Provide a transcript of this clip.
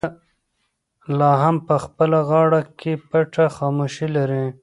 هغه لا هم په خپله غاړه کې پټه خاموشي لري.